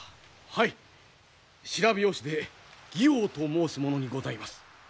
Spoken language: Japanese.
はい白拍子で妓王と申す者にございます。